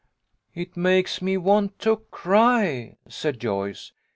IC3 "It makes me want to cry," said Joyce.